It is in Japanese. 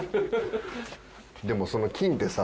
でもその金ってさ。